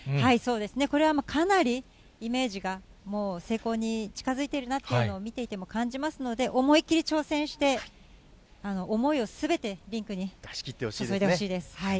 そうですね、これはもう、かなりイメージがもう成功に近づいているなというのを、見ていても感じますので、思い切り挑戦して、思いをすべてリンクに注いでほしいです。